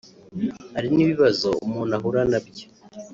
Hari n’ibibazo umuntu ahura nabyo